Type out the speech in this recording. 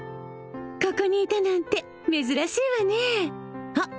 ここにいたなんて珍しいわねあっ